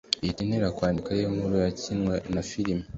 ihita intera kwandika inkuru yakinwa na filimi